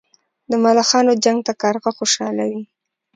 د ملخانو جنګ ته کارغه خوشاله وي.